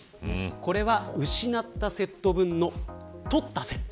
これは失ったセット分の取ったセット。